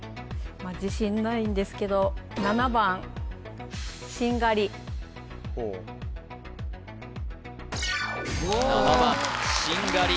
自信ないんですけど・ほう７番しんがり